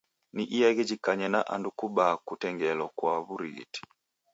Ni iaghi jikanye na andu kubaa kutengelo kwa w'urighiti.